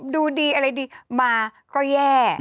ดูดีอะไรดีมาก็แย่